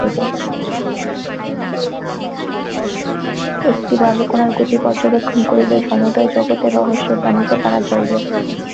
একটি বালুকণার গতি পর্যবেক্ষণ করিলে সমুদয় জগতের রহস্য জানিতে পারা যাইবে।